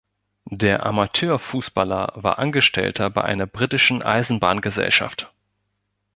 Der Amateurfußballer war Angestellter bei einer britischen Eisenbahngesellschaft.